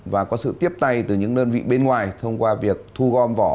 và có sự tiếp tay từ những đơn vị bên ngoài thông qua việc thu gom vỏ